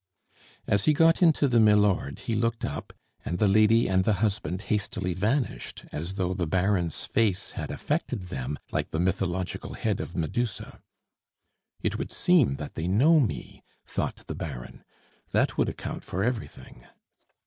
As he got into the milord, he looked up, and the lady and the husband hastily vanished, as though the Baron's face had affected them like the mythological head of Medusa. "It would seem that they know me," thought the Baron. "That would account for everything."